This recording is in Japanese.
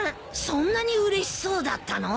そんなにうれしそうだったの？